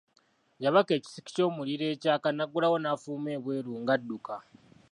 Yabaka ekisiki ky'omuliro ekyaka n'aggulawo n'afuluma ebweru ng'adduka.